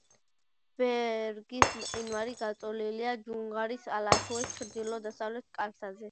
ბერგის მყინვარი გაწოლილია ჯუნგარის ალათაუს ჩრდილო-დასავლეთ კალთაზე.